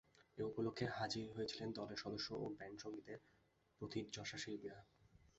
এ উপলক্ষে হাজির হয়েছিলেন দলের সদস্য ও ব্যান্ড সংগীতের প্রথিতযশা শিল্পীরা।